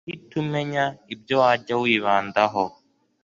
Urahita umenya ibyo wajya wibandaho